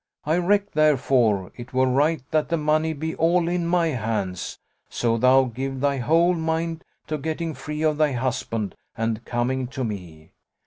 I reck, therefore, it were right that the money be all in my hands, so thou give thy whole mind to getting free of thy husband and coming to me."